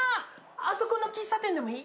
あそこの喫茶店でもいい？